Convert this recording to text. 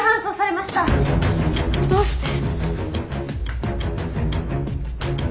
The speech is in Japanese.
どうして？